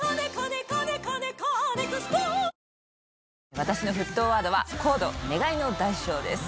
私の沸騰ワードは『ＣＯＤＥー願いの代償ー』です。